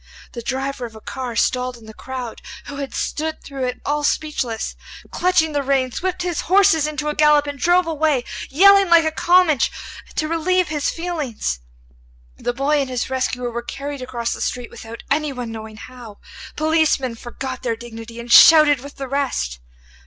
The driver of a car stalled in the crowd, who had stood through it all speechless, clutching the reins, whipped his horses into a gallop and drove away, yelling like a Comanche, to relieve his feelings. The boy and his rescuer were carried across the street without anyone knowing how. Policemen forgot their dignity and shouted with the rest.